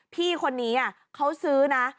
พี่คนนี้เขาซื้อนะ